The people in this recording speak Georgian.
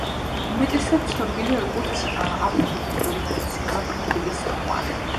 უმეტესად ცნობილია, როგორც აპოლიტიკური გადაცემა „პროფილის“ წამყვანი.